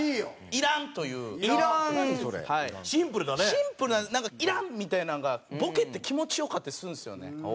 シンプルななんか「いらん」みたいなんがボケて気持ち良かったりするんですよね。